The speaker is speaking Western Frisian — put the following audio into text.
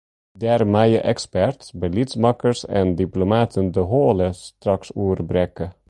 Dêr meie eksperts, beliedsmakkers en diplomaten de holle straks oer brekke.